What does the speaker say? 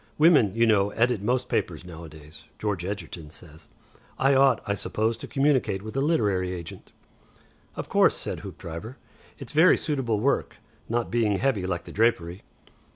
Women, you know, edit most papers nowadays, George Egerton says. I ought, I suppose, to communicate with a literary agent." "Of course," said Hoopdriver, "it's very suitable work. Not being heavy like the drapery."